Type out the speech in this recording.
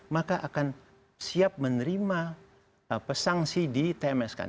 maka akan siap menerima sanksi ditemeskan